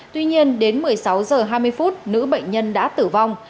tuy nhiên đến một mươi sáu h hai mươi phút nữ bệnh nhân đã tử vong